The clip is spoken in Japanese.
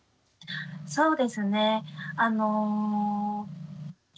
そうですね